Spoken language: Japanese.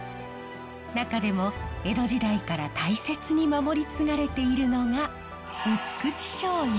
中でも江戸時代から大切に守り継がれているのが薄口しょうゆ。